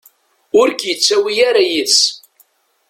Ur k-yettawi ara yid-s.